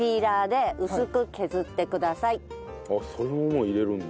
それももう入れるんだ。